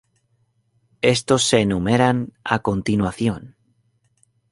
Estos se enumeran a continuación.